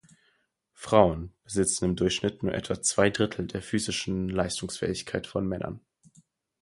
Frauen besitzen im Durchschnitt nur etwa zwei Drittel der physischen Leistungsfähigkeit von Männern.